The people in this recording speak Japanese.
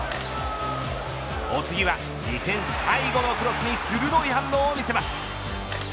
お次はディフェンス背後のクロスに鋭い反応を見せます。